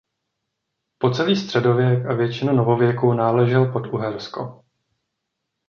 Po celý středověk a většinu novověku náležel pod Uhersko.